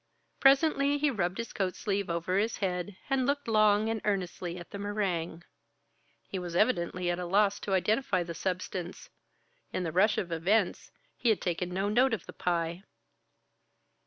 Presently he rubbed his coat sleeve over his head and looked long and earnestly at the meringue. He was evidently at a loss to identify the substance; in the rush of events he had taken no note of the pie.